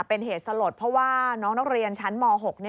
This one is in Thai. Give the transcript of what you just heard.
เป็นเหตุสลดเพราะว่าน้องนักเรียนชั้นม๖